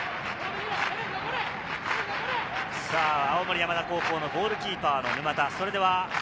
青森山田高校のゴールキーパーの沼田。